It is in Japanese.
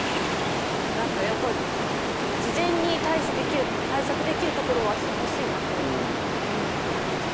何かやっぱり事前に対処できる対策できるところはしてほしいなっていうのは思いますね。